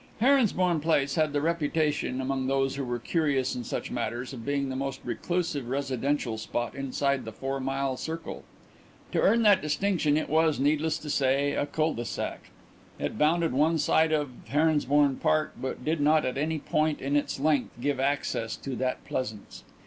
Heronsbourne Place had the reputation, among those who were curious in such matters, of being the most reclusive residential spot inside the four mile circle. To earn that distinction it was, needless to say, a cul de sac. It bounded one side of Heronsbourne Park but did not at any point of its length give access to that pleasance.